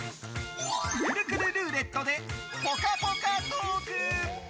くるくるルーレットでぽかぽかトーク！